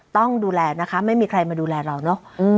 ต้องดูแลนะคะไม่มีใครมาดูแลเราเนอะ